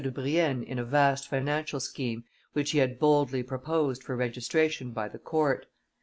de Brienne in a vast financial scheme which he had boldly proposed for registration by the court.